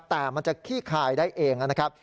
แต่มันจะขี้คายได้เองนะครับ